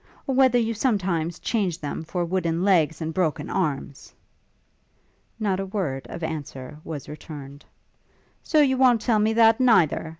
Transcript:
or whether you sometimes change them for wooden legs and broken arms?' Not a word of answer was returned. 'So you won't tell me that, neither?